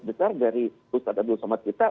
besar dari ustadz abdul somad kitab